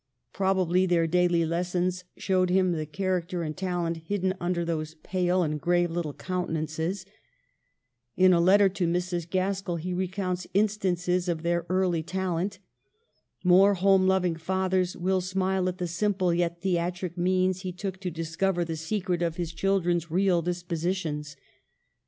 Probably their daily les sons showed him the character and talent hidden under those pale and grave little countenances. In a letter to Mrs. Gaskell he recounts instances of their early talent. More home loving fathers will smile at the simple yet theatric means he took to discover the secret of his children's real dispositions.